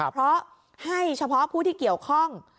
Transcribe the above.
เพราะให้เฉพาะผู้ที่เกี่ยวข้อง